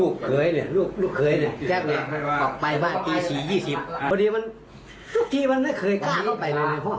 เกมส์ไว้อันนี้